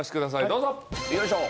どうぞ。